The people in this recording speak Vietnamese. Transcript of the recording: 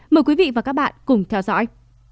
mời quý vị và các bạn cùng theo dõi